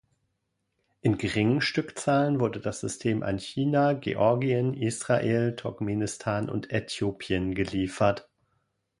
In geringen Stückzahlen wurde das System an China, Georgien, Israel, Turkmenistan und Äthiopien geliefert.